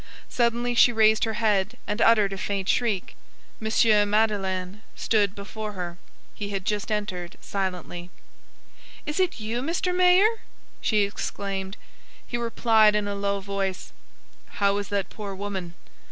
Suddenly she raised her head and uttered a faint shriek. M. Madeleine stood before her; he had just entered silently. "Is it you, Mr. Mayor?" she exclaimed. He replied in a low voice:— "How is that poor woman?"